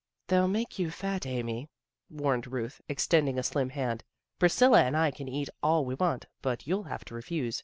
" They'll make you fat, Amy," warned Ruth, extending a slim hand. " Priscilla and I can eat all we want, but you'll have to refuse.